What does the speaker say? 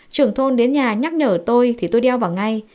trưởng thôn đến nhà nhắc nhở tôi thì tôi đeo vào ngay